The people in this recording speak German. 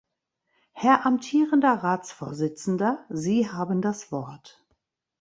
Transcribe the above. Herr amtierender Ratsvorsitzender, Sie haben das Wort.